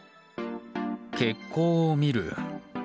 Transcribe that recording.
血行を見る。